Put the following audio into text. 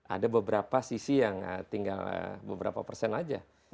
ada beberapa sisi yang tinggal beberapa persen aja